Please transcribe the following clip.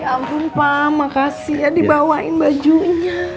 ya ampun pak makasih ya dibawain bajunya